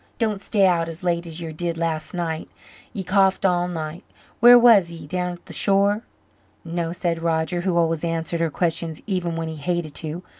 Don't stay out as late as ye did last night. Ye coughed all night. Where was ye down at the shore?" "No," said Roger, who always answered her questions even when he hated to.